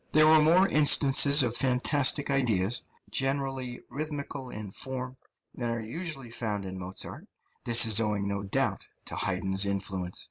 There are more instances of fantastic ideas, generally rhythmical in form, than are usually found in Mozart; this is owing, no doubt, to Haydn's influence.